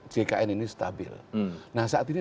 jkn ini stabil nah saat ini